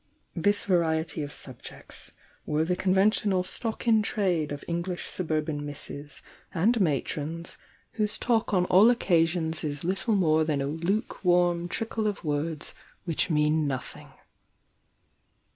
This variety of subjects were the conversational stock in trade of English suburban misses and matrons whose THE YOUNG DIANA 128 talk on all occasions is little more than a luke warm trickle of words which mean nothing.